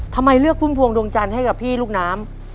ทำไมเลือกพุ่มพวงดวงจันทร์ให้กับพี่ลูกน้ำ